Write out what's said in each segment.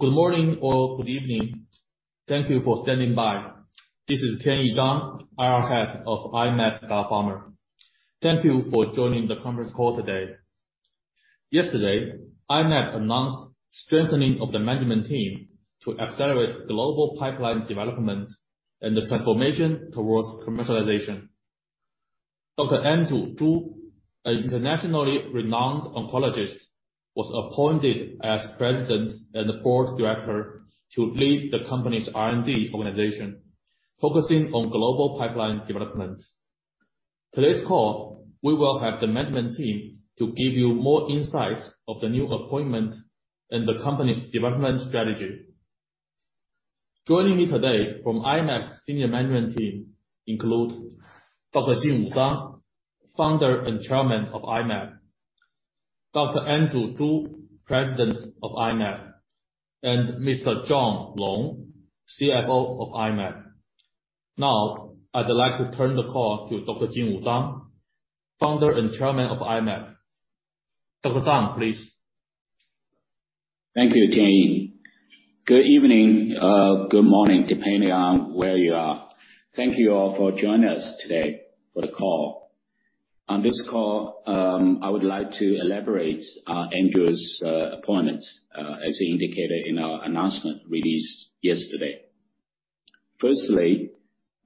Good morning or good evening. Thank you for standing by. This is Tianyi Zhang, IR head of I-Mab Biopharma. Thank you for joining the conference call today. Yesterday, I-Mab announced strengthening of the management team to accelerate global pipeline development and the transformation towards commercialization. Dr. Andrew Zhu, an internationally renowned oncologist, was appointed as president and board director to lead the company's R&D organization, focusing on global pipeline development. On today's call, we will have the management team to give you more insight of the new appointment and the company's development strategy. Joining me today from I-Mab's senior management team include Dr. Jingwu Zang, founder and chairman of I-Mab, Dr. Andrew Zhu, president of I-Mab, and Mr. John Long, CFO of I-Mab. Now, I'd like to turn the call to Dr. Jingwu Zang, founder and chairman of I-Mab. Dr. Zang, please. Thank you, Tianyi. Good evening, good morning, depending on where you are. Thank you all for joining us today for the call. On this call, I would like to elaborate our Andrew's appointment, as he indicated in our announcement released yesterday. Firstly,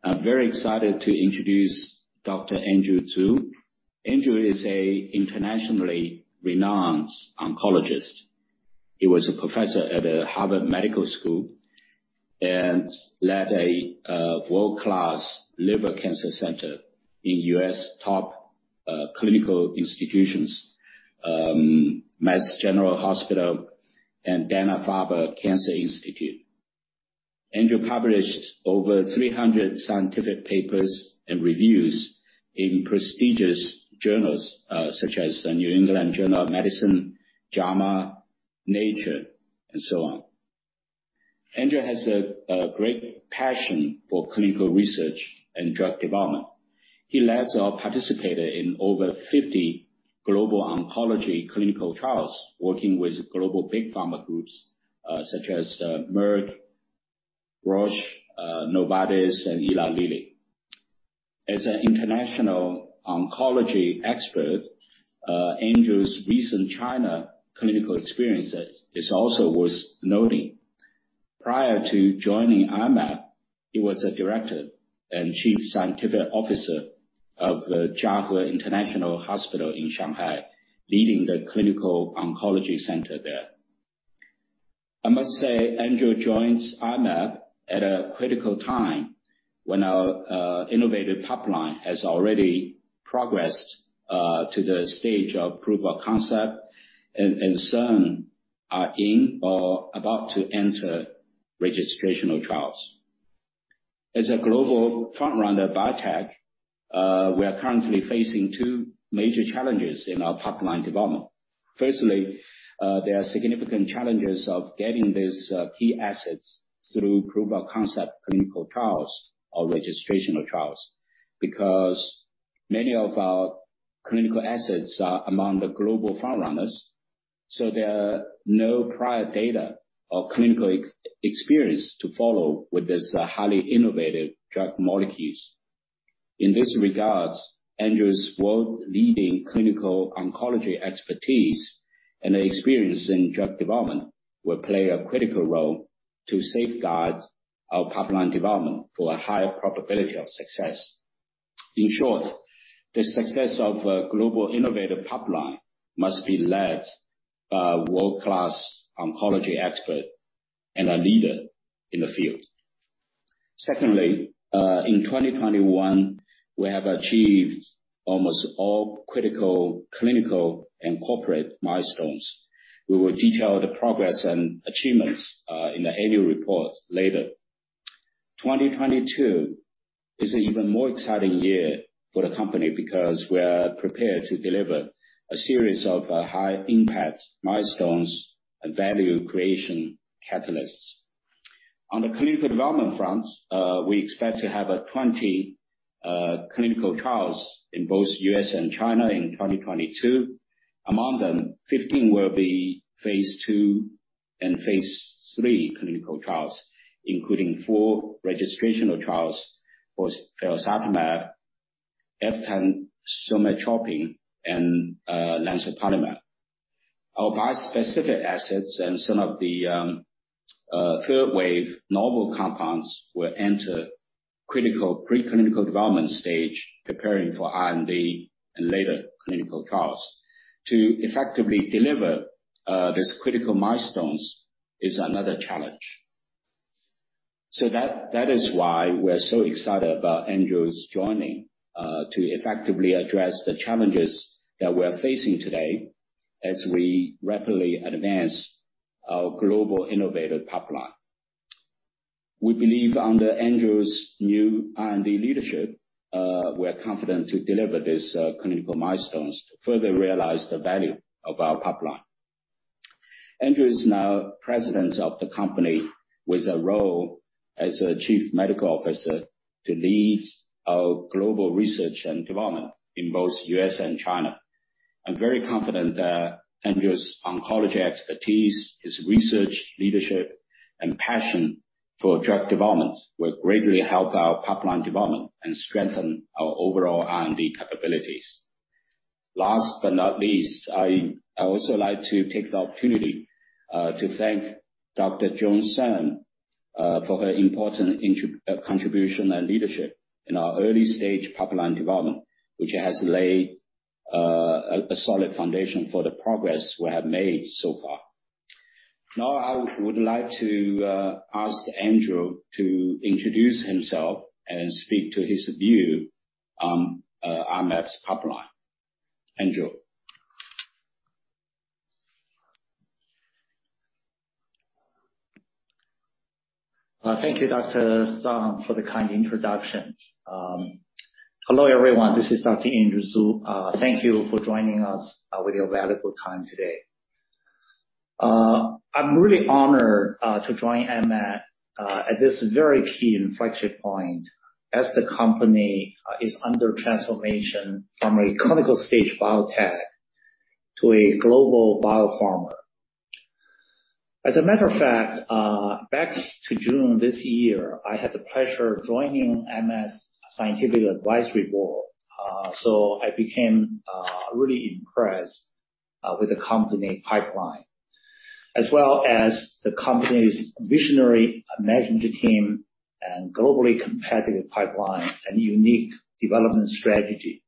I'm very excited to introduce Dr. Andrew Zhu. Andrew is an internationally renowned oncologist. He was a professor at Harvard Medical School and led a world-class liver cancer center in U.S. top clinical institutions, Mass General Hospital and Dana-Farber Cancer Institute. Andrew published over 300 scientific papers and reviews in prestigious journals, such as The New England Journal of Medicine, JAMA, Nature, and so on. Andrew has a great passion for clinical research and drug development. He has also participated in over 50 global oncology clinical trials working with global big pharma groups, such as Merck, Roche, Novartis, and Eli Lilly. As an international oncology expert, Andrew's recent China clinical experience is also worth noting. Prior to joining I-Mab, he was a director and chief scientific officer of the Jiahui International Hospital in Shanghai, leading the clinical oncology center there. I must say, Andrew joins I-Mab at a critical time when our innovative pipeline has already progressed to the stage of proof of concept and some are in or about to enter registrational trials. As a global front-runner biotech, we are currently facing two major challenges in our pipeline development. Firstly, there are significant challenges of getting these key assets through proof of concept clinical trials or registrational trials, because many of our clinical assets are among the global frontrunners, so there are no prior data or clinical experience to follow with these highly innovative drug molecules. In this regard, Andrew's world-leading clinical oncology expertise and experience in drug development will play a critical role to safeguard our pipeline development for a higher probability of success. In short, the success of a global innovative pipeline must be led by a world-class oncology expert and a leader in the field. Secondly, in 2021, we have achieved almost all critical clinical and corporate milestones. We will detail the progress and achievements in the annual report later. 2022 is an even more exciting year for the company because we are prepared to deliver a series of high impact milestones and value creation catalysts. On the clinical development fronts, we expect to have 20 clinical trials in both U.S. and China in 2022. Among them, 15 will be phase II and phase III clinical trials, including four registrational trials for lemzoparlimab. Our bispecific assets and some of the third wave novel compounds will enter critical preclinical development stage, preparing for R&D and later clinical trials. To effectively deliver these critical milestones is another challenge. That is why we're so excited about Andrew's joining to effectively address the challenges that we're facing today as we rapidly advance our global innovative pipeline. We believe under Andrew's new R&D leadership, we're confident to deliver these clinical milestones to further realize the value of our pipeline. Andrew is now President of the company with a role as a Chief Medical Officer to lead our global research and development in both U.S. and China. I'm very confident that Andrew's oncology expertise, his research, leadership, and passion for drug development will greatly help our pipeline development and strengthen our overall R&D capabilities. Last but not least, I also like to take the opportunity to thank Dr. Joan Shen for her important contribution and leadership in our early-stage pipeline development, which has laid a solid foundation for the progress we have made so far. Now I would like to ask Andrew to introduce himself and speak to his view on I-Mab's pipeline. Andrew. Thank you, Dr. Zang, for the kind introduction. Hello, everyone. This is Dr. Andrew Zhu. Thank you for joining us with your valuable time today. I'm really honored to join I-Mab at this very key inflection point as the company is under transformation from a clinical stage biotech to a global biopharma. As a matter of fact, back to June this year, I had the pleasure of joining I-Mab's Scientific Advisory Board. I became really impressed with the company pipeline, as well as the company's visionary management team and globally competitive pipeline and unique development strategy.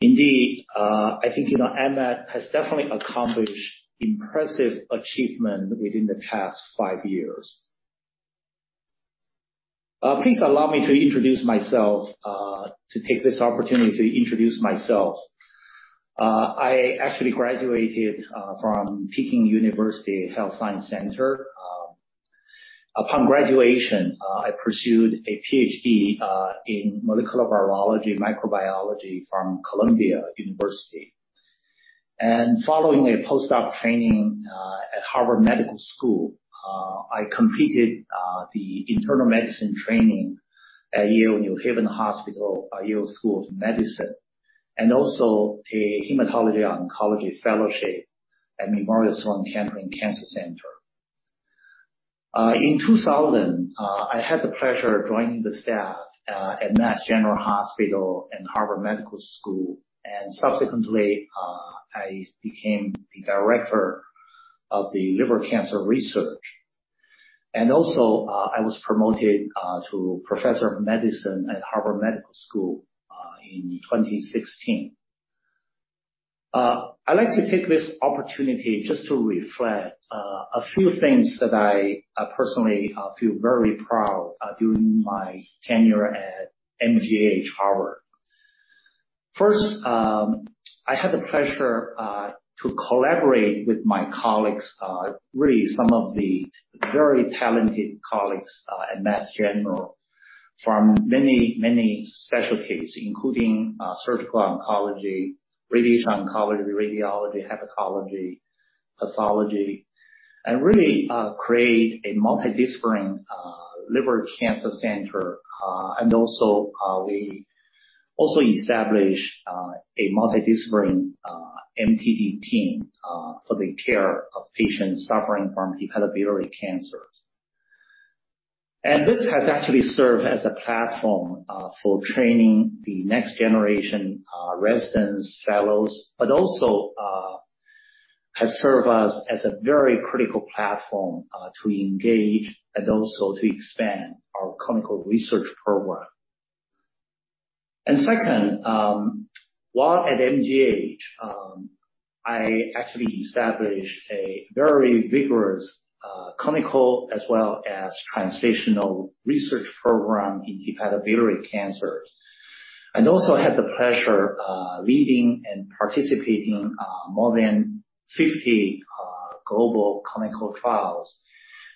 Indeed, I think, you know, I-Mab has definitely accomplished impressive achievement within the past five years. Please allow me to take this opportunity to introduce myself. I actually graduated from Peking University Health Science Center. Upon graduation, I pursued a PhD in molecular biology, microbiology from Columbia University. Following a postdoc training at Harvard Medical School, I completed the internal medicine training at Yale New Haven Hospital, Yale School of Medicine, and also a hematology oncology fellowship at Memorial Sloan Kettering Cancer Center. In 2000, I had the pleasure of joining the staff at Massachusetts General Hospital and Harvard Medical School, and subsequently, I became the director of the Liver Cancer Research. I was promoted to Professor of Medicine at Harvard Medical School in 2016. I'd like to take this opportunity just to reflect a few things that I personally feel very proud during my tenure at MGH Harvard. First, I had the pleasure to collaborate with my colleagues, really some of the very talented colleagues at Mass General from many, many specialties, including surgical oncology, radiation oncology, radiology, hepatology, pathology, and really create a multidisciplinary liver cancer center, and also we also established a multidisciplinary MDT team for the care of patients suffering from hepatobiliary cancers. This has actually served as a platform for training the next generation residents, fellows, but also has served us as a very critical platform to engage and also to expand our clinical research program. Second, while at MGH, I actually established a very vigorous clinical as well as translational research program in hepatobiliary cancers, and also had the pleasure leading and participating more than 50 global clinical trials.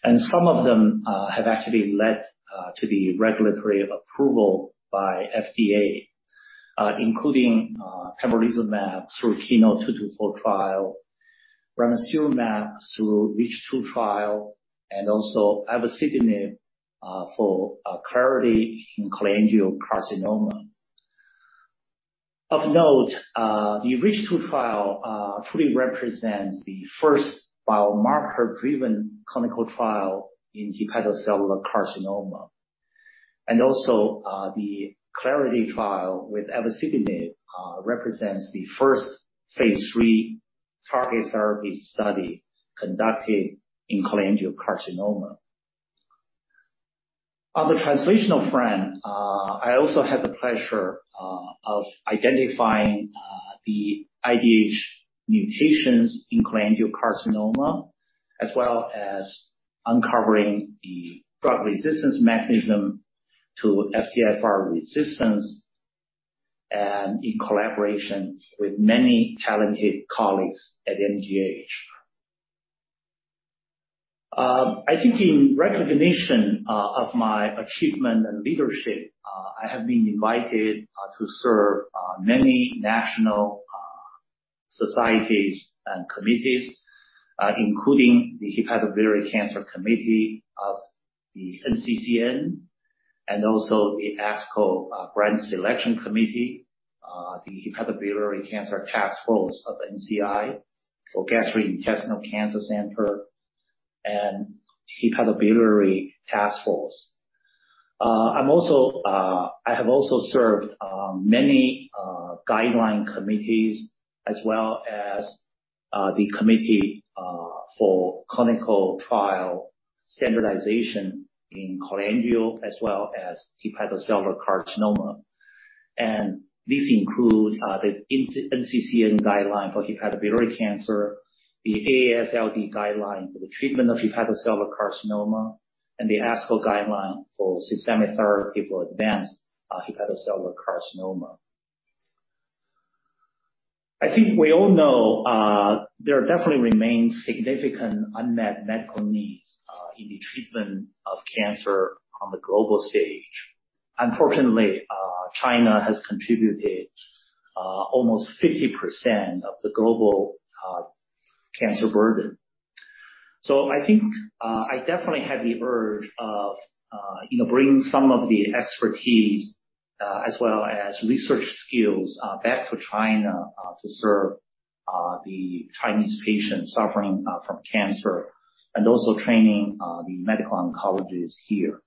Some of them have actually led to the regulatory approval by FDA, including pembrolizumab through KEYNOTE-224 trial, ramucirumab through REACH-2 trial, and also ivosidenib for ClarIDHy in cholangiocarcinoma. Of note, the REACH-2 trial truly represents the first biomarker-driven clinical trial in hepatocellular carcinoma. The ClarIDHy trial with ivosidenib represents the first phase III target therapy study conducted in cholangiocarcinoma. On the translational front, I also had the pleasure of identifying the IDH mutations in cholangiocarcinoma, as well as uncovering the drug resistance mechanism to FGFR resistance and in collaboration with many talented colleagues at MGH. I think in recognition of my achievement and leadership, I have been invited to serve many national societies and committees, including the Hepatobiliary Cancer Committee of the NCCN, and also the ASCO Grants Selection Committee, the Hepatobiliary Cancer Task Force of the NCI Gastrointestinal Steering Committee and Hepatobiliary Task Force. I have also served many guideline committees as well as the committee for clinical trial standardization in cholangio as well as hepatocellular carcinoma. These include the NCCN guideline for hepatobiliary cancer, the AASLD guideline for the treatment of hepatocellular carcinoma, and the ASCO guideline for systemic therapy for advanced hepatocellular carcinoma. I think we all know there definitely remains significant unmet medical needs in the treatment of cancer on the global stage. Unfortunately, China has contributed almost 50% of the global cancer burden. I think I definitely had the urge of you know bringing some of the expertise as well as research skills back to China to serve the Chinese patients suffering from cancer. Also training the medical oncologists here.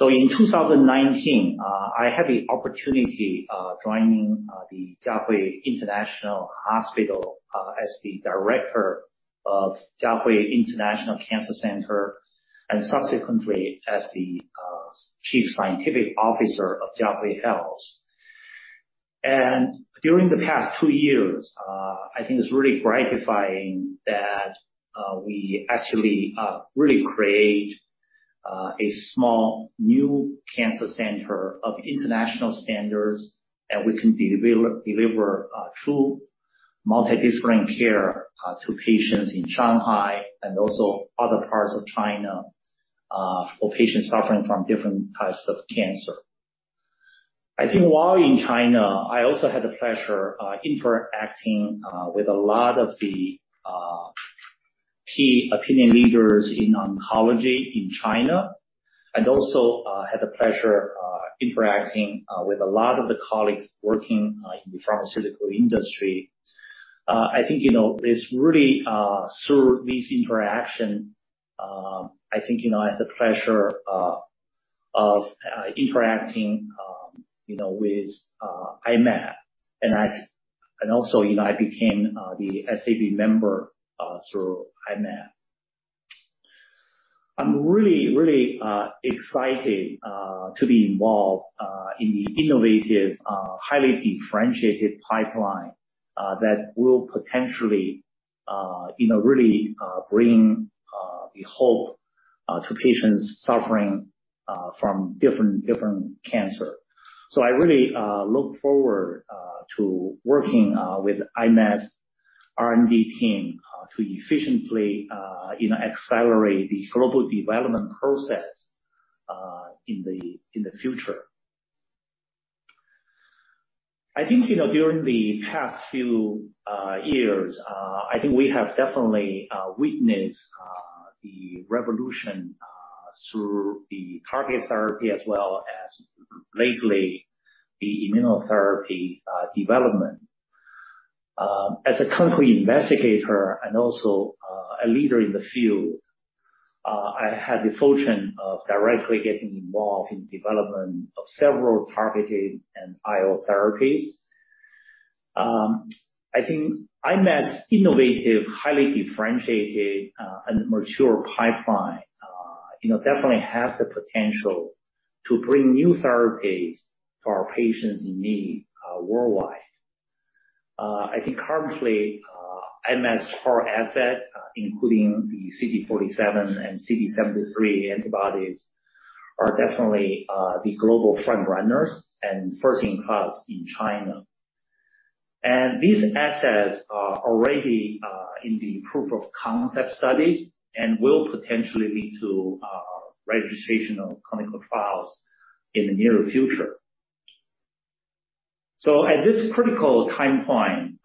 In 2019, I had the opportunity of joining the Jiahui International Hospital as the director of Jiahui International Cancer Center and subsequently as the Chief Scientific Officer of Jiahui Health. During the past two years, I think it's really gratifying that we actually really create a small new cancer center of international standards that we can deliver true multidisciplinary care to patients in Shanghai and also other parts of China for patients suffering from different types of cancer. I think while in China, I also had the pleasure interacting with a lot of the key opinion leaders in oncology in China, and also had the pleasure interacting with a lot of the colleagues working in the pharmaceutical industry. I think, you know, it's really through this interaction, I think, you know, I have the pleasure of interacting, you know, with I-Mab, and also, you know, I became the SAB member through I-Mab. I'm really excited to be involved in the innovative, highly differentiated pipeline that will potentially you know really bring the hope to patients suffering from different cancer. I really look forward to working with I-Mab's R&D team to efficiently you know accelerate the global development process in the future. I think you know during the past few years I think we have definitely witnessed the revolution through the targeted therapy as well as lately the immunotherapy development. As a clinical investigator and also a leader in the field I had the fortune of directly getting involved in development of several targeted and IO therapies. I think I-Mab's innovative, highly differentiated, and mature pipeline, you know, definitely has the potential to bring new therapies to our patients in need, worldwide. I think currently, I-Mab's core asset, including the CD47 and CD73 antibodies, are definitely the global front runners and first in class in China. These assets are already in the proof of concept studies and will potentially lead to registration of clinical files in the near future. At this critical time point,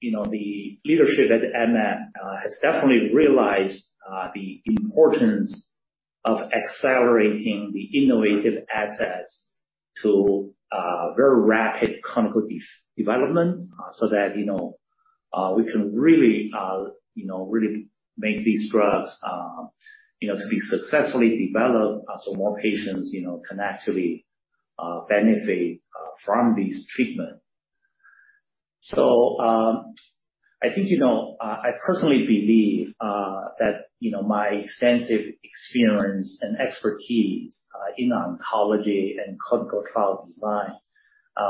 you know, the leadership at I-Mab has definitely realized the importance of accelerating the innovative assets to a very rapid clinical development so that, you know, we can really, you know, really make these drugs, you know, to be successfully developed, so more patients, you know, can actually benefit from this treatment. I think, you know, I personally believe that, you know, my extensive experience and expertise in oncology and clinical trial design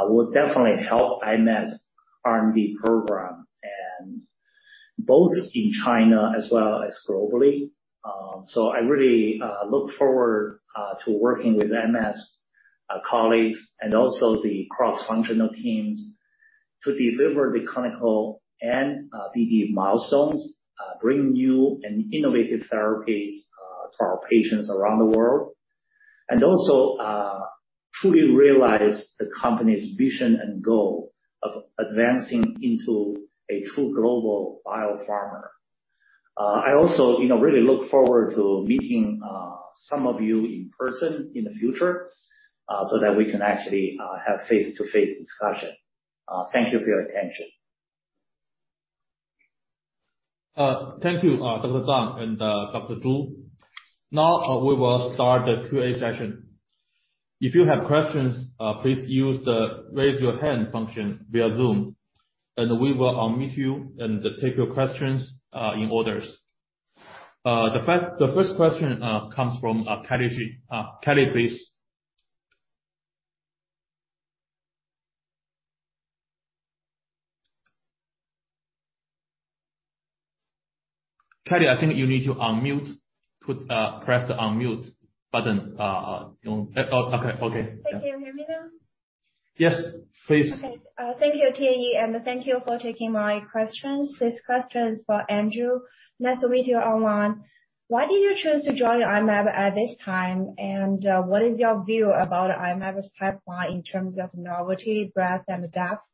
will definitely help I-Mab's R&D program and both in China as well as globally. I really look forward to working with I-Mab's colleagues and also the cross-functional teams to deliver the clinical and BD milestones, bring new and innovative therapies to our patients around the world. I truly realize the company's vision and goal of advancing into a true global biopharma. I also, you know, really look forward to meeting some of you in person in the future so that we can actually have face-to-face discussion. Thank you for your attention. Thank you, Dr. Zang and Dr. Zhu. Now, we will start the Q&A session. If you have questions, please use the raise your hand function via Zoom, and we will unmute you and take your questions in order. The first question comes from Kelly Shi. Kelly, I think you need to unmute. Press the unmute button. Okay. Thank you. Can you hear me now? Yes, please. Okay. Thank you, Tianyi, and thank you for taking my questions. This question is for Andrew. Nice to meet you online. Why did you choose to join I-Mab at this time, and what is your view about I-Mab's pipeline in terms of novelty, breadth and depth?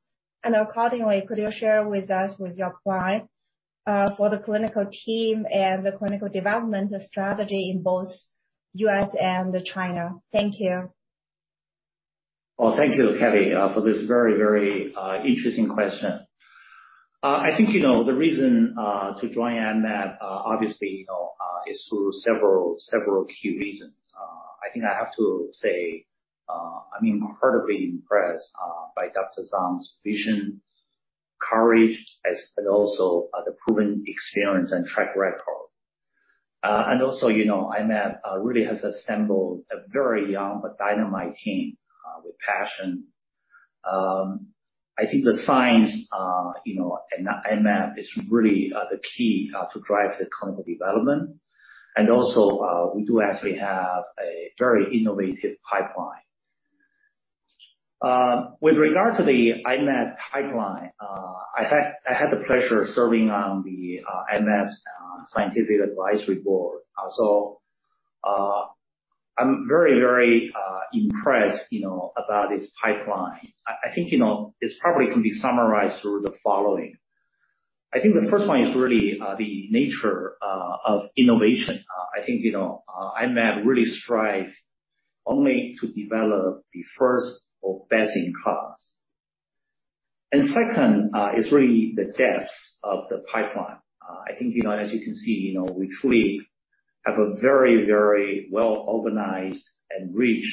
Accordingly, could you share with us your plan for the clinical team and the clinical development strategy in both U.S. and China? Thank you. Well, thank you, Kelly, for this very interesting question. I think you know the reason to join I-Mab, obviously, you know, is through several key reasons. I think I have to say, I'm incredibly impressed by Dr. Zhang's vision, courage, but also the proven experience and track record. Also, you know, I-Mab really has assembled a very young but dynamite team with passion. I think the science, you know, in I-Mab is really the key to drive the clinical development. Also, we do actually have a very innovative pipeline. With regard to the I-Mab pipeline, I had the pleasure of serving on the I-Mab's scientific advisory board. Also, I'm very impressed, you know, about this pipeline. I think, you know, this probably can be summarized through the following. I think the first one is really the nature of innovation. I think, you know, I-Mab really strive only to develop the first or best in class. Second is really the depths of the pipeline. I think, you know, as you can see, you know, we truly have a very, very well organized and rich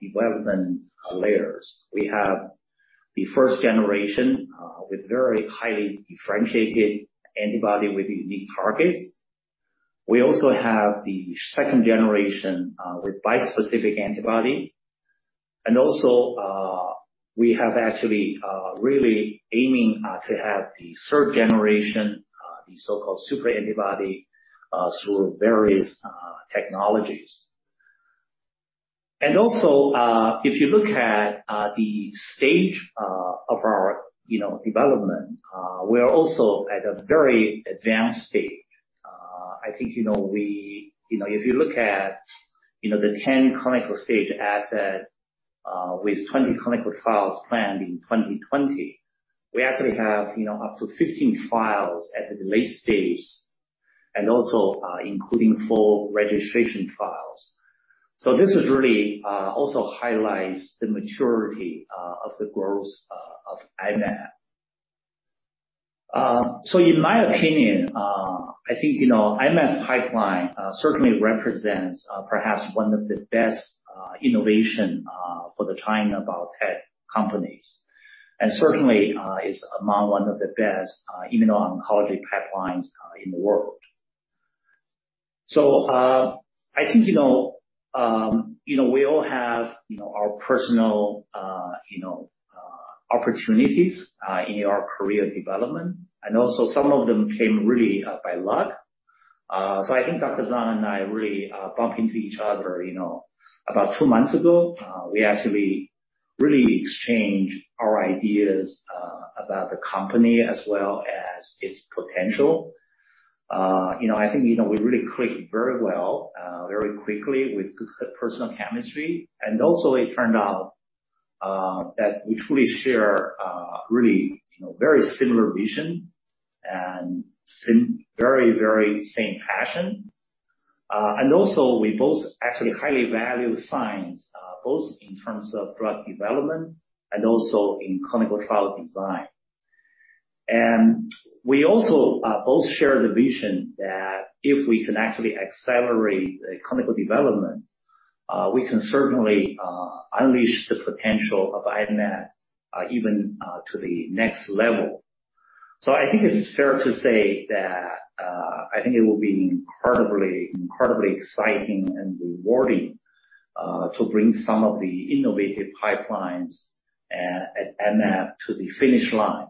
development layers. We have the first generation with very highly differentiated antibody with unique targets. We also have the second generation with bispecific antibody. Also, we have actually really aiming to have the third generation, the so-called super antibody through various technologies. If you look at the stage of our development, we are also at a very advanced stage. I think, you know, if you look at the 10 clinical stage assets with 20 clinical trials planned in 2020, we actually have, you know, up to 15 trials at the late stage and also including full registration trials. This really also highlights the maturity of the growth of I-Mab. In my opinion, I think, you know, I-Mab's pipeline certainly represents perhaps one of the best innovation for the China biotech companies, and certainly is among one of the best immuno-oncology pipelines in the world. I think, you know, you know, we all have, you know, our personal, you know, opportunities in our career development and also some of them came really by luck. I think Dr. Zang and I really bumped into each other, you know, about two months ago. We actually really exchanged our ideas about the company as well as its potential. You know, I think, you know, we really clicked very well very quickly with good personal chemistry. It turned out that we truly share really, you know, very similar vision and very, very same passion. We both actually highly value science both in terms of drug development and also in clinical trial design. We also both share the vision that if we can actually accelerate the clinical development, we can certainly unleash the potential of I-Mab, even to the next level. I think it's fair to say that I think it will be incredibly exciting and rewarding to bring some of the innovative pipelines at I-Mab to the finish line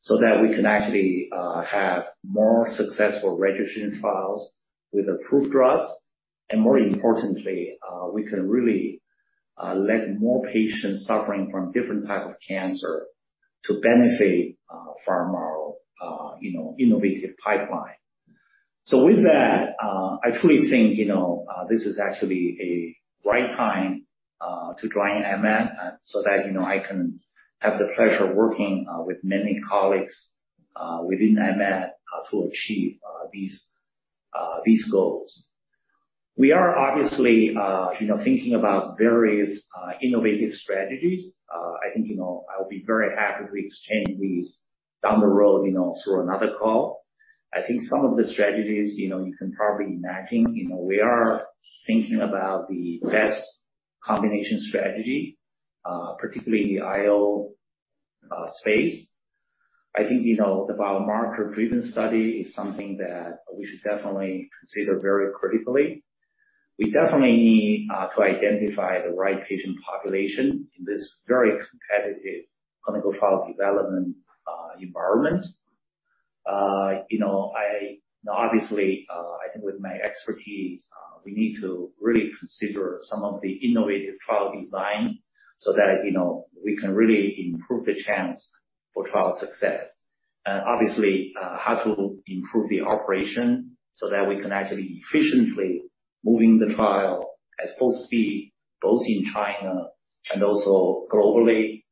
so that we can actually have more successful registration trials with approved drugs. More importantly, we can really let more patients suffering from different type of cancer to benefit from our, you know, innovative pipeline. With that, I truly think, you know, this is actually a right time to join I-Mab so that, you know, I can have the pleasure working with many colleagues within I-Mab to achieve these goals. We are obviously, you know, thinking about various innovative strategies. I think, you know, I'll be very happy to exchange these down the road, you know, through another call. I think some of the strategies, you know, you can probably imagine. You know, we are thinking about the best combination strategy, particularly in the IO space. I think, you know, the biomarker-driven study is something that we should definitely consider very critically. We definitely need to identify the right patient population in this very competitive clinical trial development environment. You know, obviously, I think with my expertise, we need to really consider some of the innovative trial design so that, you know, we can really improve the chance for trial success. Obviously, how to improve the operation so that we can actually efficiently moving the trial at full speed, both in China and also globally,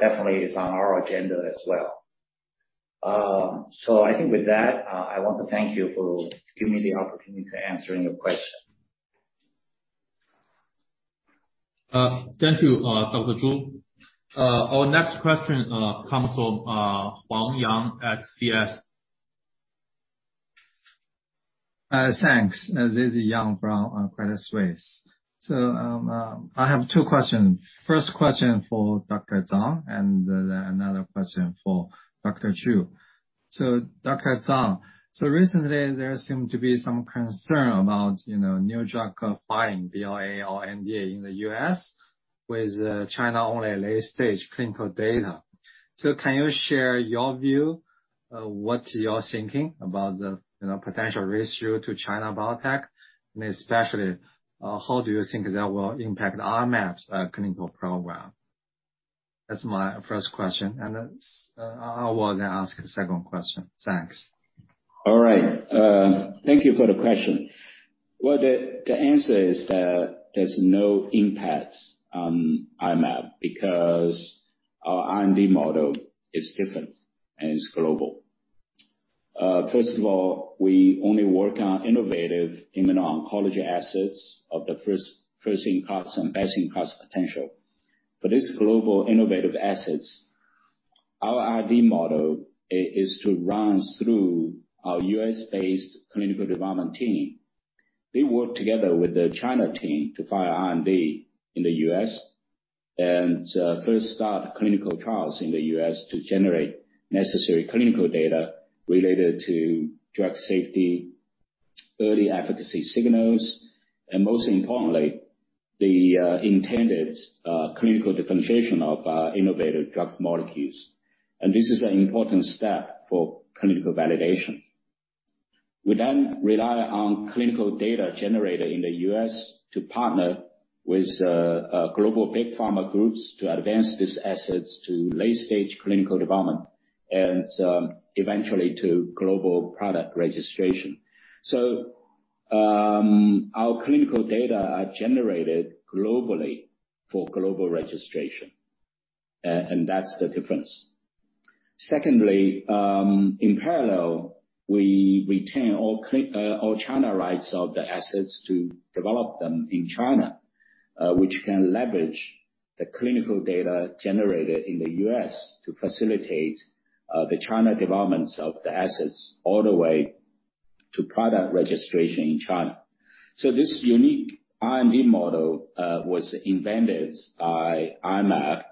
definitely is on our agenda as well. I think with that, I want to thank you for giving me the opportunity to answering your question. Thank you, Dr. Zhu. Our next question comes from Huang Yang at CS. Thanks. This is Yang from Credit Suisse. I have two questions. First question for Dr. Zang, and then another question for Dr. Zhu. Dr. Zang, recently there seemed to be some concern about, you know, new drug filing BLA or NDA in the U.S., with China-only late-stage clinical data. Can you share your view of what you're thinking about the, you know, potential risk due to China biotech, and especially, how do you think that will impact I-Mab's clinical program? That's my first question. I will ask a second question. Thanks. All right. Thank you for the question. Well, the answer is that there's no impact on I-Mab because our IND model is different and it's global. First of all, we only work on innovative immuno-oncology assets of the first-in-class and best-in-class potential. For this global innovative assets, our IND model is to run through our U.S.-based clinical development team. They work together with the China team to file IND in the U.S. and first start clinical trials in the U.S. to generate necessary clinical data related to drug safety, early efficacy signals, and most importantly, the intended clinical differentiation of our innovative drug molecules. This is an important step for clinical validation. We rely on clinical data generated in the U.S. to partner with global big pharma groups to advance these assets to late-stage clinical development and eventually to global product registration. Our clinical data are generated globally for global registration. That's the difference. Secondly, in parallel, we retain all China rights of the assets to develop them in China, which can leverage the clinical data generated in the U.S. to facilitate the China developments of the assets all the way to product registration in China. This unique IND model was invented by I-Mab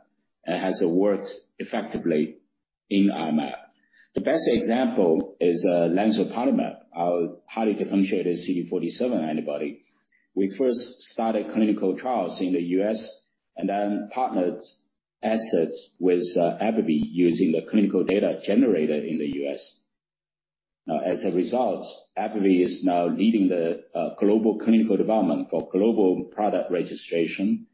and has worked effectively in I-Mab. The best example is lemzoparlimab, our highly differentiated CD47 antibody. We first started clinical trials in the U.S. and then partnered assets with AbbVie using the clinical data generated in the U.S. As a result, AbbVie is now leading the global clinical development for global product registration.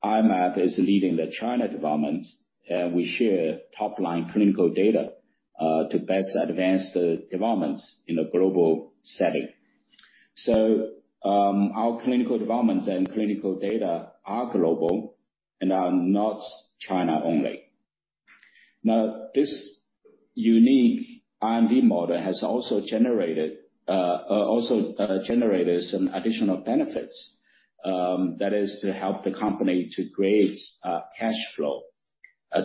I-Mab is leading the China development, and we share top-line clinical data to best advance the developments in a global setting. Our clinical developments and clinical data are global and are not China only. This unique IND model has also generated some additional benefits, that is to help the company to create cash flow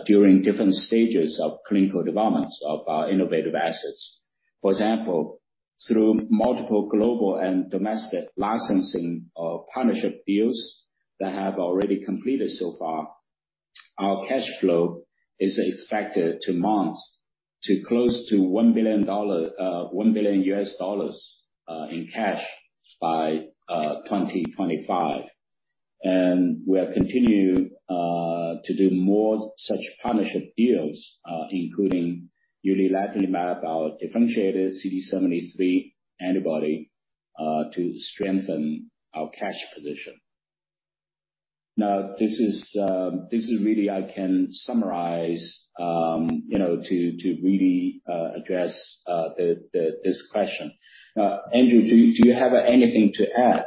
during different stages of clinical developments of our innovative assets. For example, through multiple global and domestic licensing or partnership deals that have already completed so far, our cash flow is expected to amount to close to $1 billion in cash by 2025. We are continuing to do more such partnership deals, including uliledlimab, our differentiated CD73 antibody, to strengthen our cash position. Now this is really. I can summarize, you know, to really address this question. Andrew, do you have anything to add?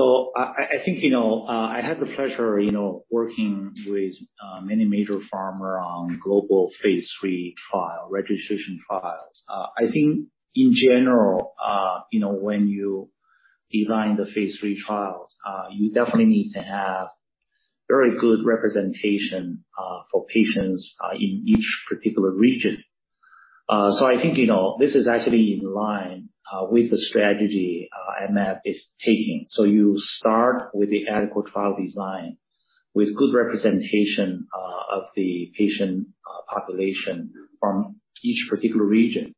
I think, you know, I had the pleasure, you know, working with many major pharma on global phase III trial, registration trials. I think in general, you know, when you design the phase III trials, you definitely need to have very good representation for patients in each particular region. I think, you know, this is actually in line with the strategy I-Mab is taking. You start with the adequate trial design with good representation of the patient population from each particular region.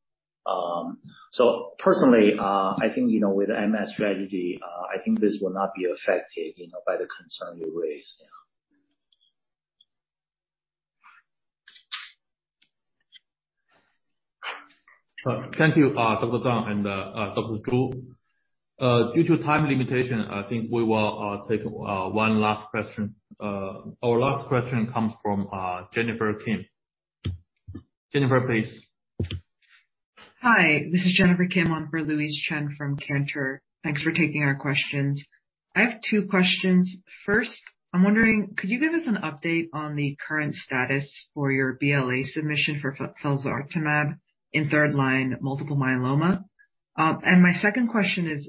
Personally, I think, you know, with I-Mab strategy, I think this will not be affected, you know, by the concern you raised. Yeah. Thank you, Dr. Zang and Dr. Zhu. Due to time limitation, I think we will take one last question. Our last question comes from Jennifer Kim. Jennifer, please. Hi. This is Jennifer Kim on for Louise Chen from Cantor. Thanks for taking our questions. I have two questions. First, I'm wondering, could you give us an update on the current status for your BLA submission for Felzartamab in third line multiple myeloma? My second question is,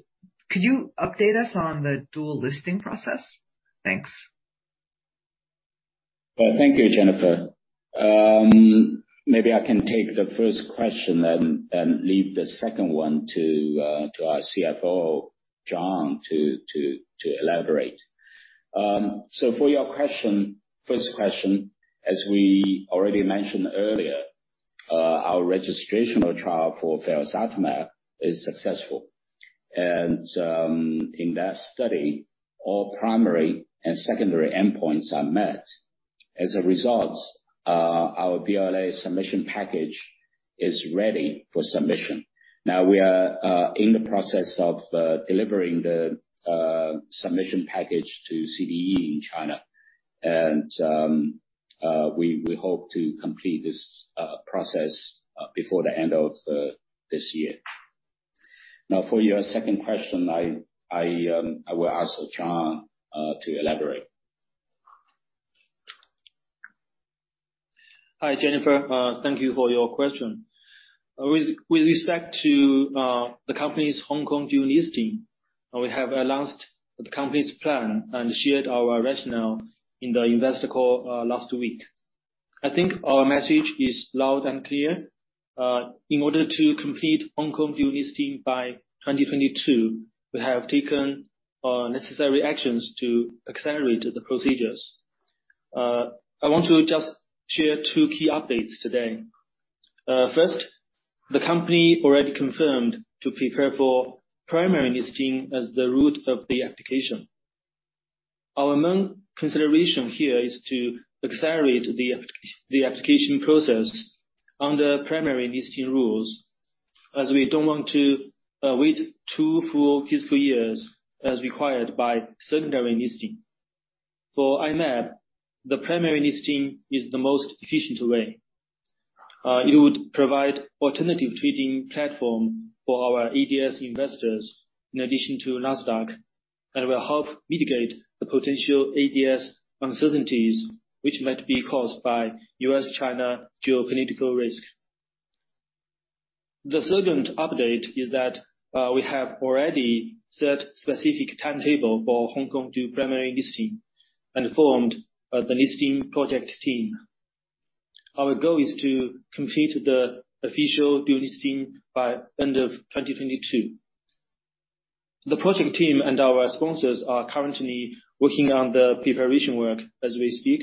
could you update us on the dual listing process? Thanks. Well, thank you, Jennifer. Maybe I can take the first question and leave the second one to our CFO, John, to elaborate. So for your question, first question, as we already mentioned earlier, our registrational trial for Felzartamab is successful. In that study, all primary and secondary endpoints are met. As a result, our BLA submission package is ready for submission. Now we are in the process of delivering the submission package to CDE in China, and we hope to complete this process before the end of this year. Now, for your second question, I will ask John to elaborate. Hi, Jennifer. Thank you for your question. With respect to the company's Hong Kong dual listing, we have announced the company's plan and shared our rationale in the investor call last week. I think our message is loud and clear. In order to complete Hong Kong dual listing by 2022, we have taken necessary actions to accelerate the procedures. I want to just share two key updates today. First, the company already confirmed to prepare for primary listing as the route of the application. Our main consideration here is to accelerate the application process under primary listing rules, as we don't want to wait two full fiscal years as required by secondary listing. For I-Mab, the primary listing is the most efficient way. It would provide alternative trading platform for our ADS investors in addition to Nasdaq, and will help mitigate the potential ADS uncertainties which might be caused by U.S., China geopolitical risk. The second update is that we have already set specific timetable for Hong Kong dual primary listing and formed the listing project team. Our goal is to complete the official dual listing by end of 2022. The project team and our sponsors are currently working on the preparation work as we speak,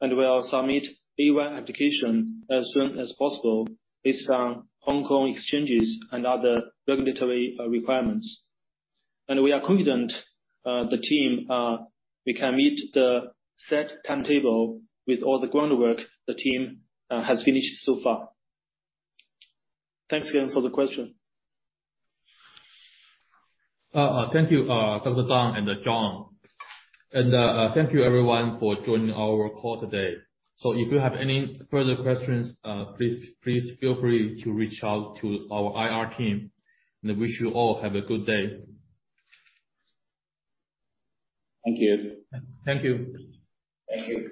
and will submit A1 application as soon as possible based on Hong Kong Exchanges and other regulatory requirements. We are confident the team can meet the set timetable with all the groundwork the team has finished so far. Thanks again for the question. Thank you, Dr. Zang and John. Thank you everyone for joining our call today. If you have any further questions, please feel free to reach out to our IR team. I wish you all have a good day. Thank you. Thank you. Thank you.